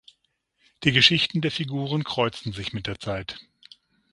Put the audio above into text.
Die Geschichten der Figuren kreuzen sich mit der Zeit.